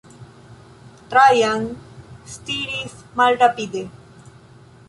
Trajan stiris malrapide.